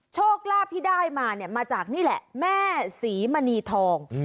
โชคลาภที่ได้มาเนี่ยมาจากนี่แหละแม่ศรีมณีทอง